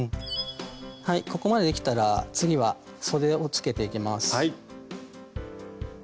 ここまでできたら次はそでをつけていきます。